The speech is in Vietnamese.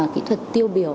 kỹ thuật tiêu biểu